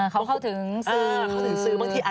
เขาเข้าถึงสื่อ